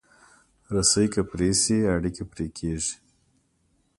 رسۍ که پرې شي، اړیکې پرې کېږي.